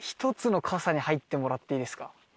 １つの傘に入ってもらっていいですか？